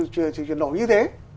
chuyển đổi như thế